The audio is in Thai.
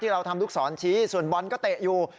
เราทำลูกศรชี้ส่วนบอลก็เตะอยู่